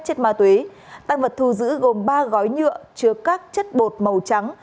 chất ma túy tăng vật thu giữ gồm ba gói nhựa chứa các chất bột màu trắng